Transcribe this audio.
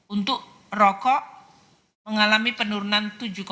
untuk rokok mengalami penurunan tujuh tiga